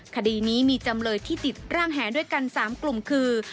คดีนี้มีจำเลยที่ติดร่างแห่ด้วยกัน๓กลุ่มคือ